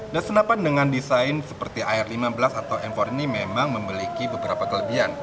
dan senapan dengan desain seperti ar lima belas atau m empat ini memang memiliki beberapa kelebihan